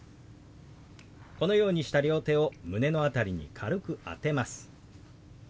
このようにした両手を胸の辺りに軽く当てます。